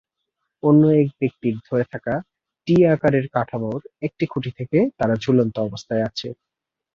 অন্য এক ব্যক্তির ধরে থাকা 'টি' আকারের কাঠামোর একটি খুঁটি থেকে তারা ঝুলন্ত অবস্থায় আছে।